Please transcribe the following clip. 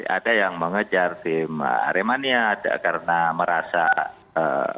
ada yang mengejar tim remania karena merasa dia kok kalah itu